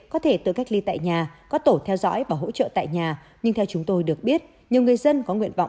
có thể tự cách ly tại nhà có tổ theo dõi và hỗ trợ tại nhà nhưng theo chúng tôi được biết nhiều người dân có nguyện vọng